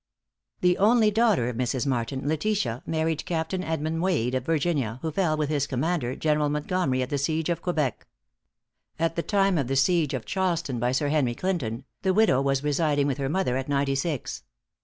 The only daughter of Mrs. Martin, Letitia, married Captain Edmund Wade, of Virginia, who fell with his commander, General Montgomery, at the siege of Quebec. At the time of the siege of Charleston by Sir Henry Clinton, the widow was residing with her mother at Ninety Six.